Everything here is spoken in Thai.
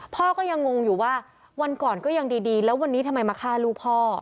พ่อก็ยังงงอยู่ว่าวันก่อนก็ยังดีแล้ววันนี้ทำไมมาฆ่าลูกพ่อ